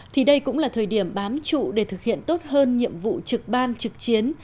thì đây cũng là thời điểm bám trụ để thực hiện tốt hơn nhiệm vụ trực ban trực chiến